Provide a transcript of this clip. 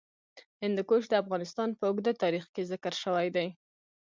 هندوکش د افغانستان په اوږده تاریخ کې ذکر شوی دی.